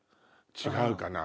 違うかな？